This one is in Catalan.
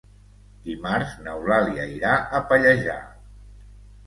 Dimarts n'Eulàlia irà a Pallejà.